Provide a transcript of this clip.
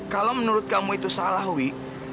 kalau menurut kamu itu salah wi